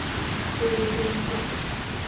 Eyo gye nva.